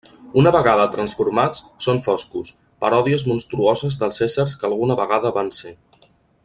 Una vegada transformats són foscos, paròdies monstruoses dels éssers que alguna vegada van ser.